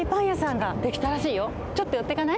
ちょっとよってかない？